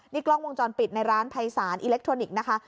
นี่กล้องวงจรปิดในร้านภัยสารอิเล็กทรอนิกส์นะคะ